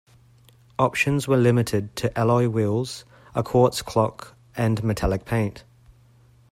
Options were limited to alloy wheels, a quartz clock and metallic paint.